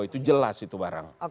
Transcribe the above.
itu jelas itu barang